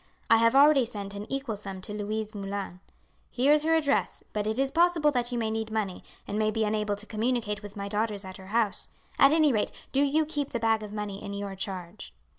I have already sent an equal sum to Louise Moulin. Here is her address; but it is possible that you may need money, and may be unable to communicate with my daughters at her house; at any rate do you keep the bag of money in your charge.